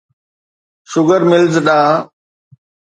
sugar mills ڏانهن